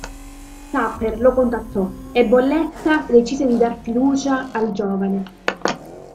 Sapper lo contattò e Bolletta decise di dare fiducia al giovane.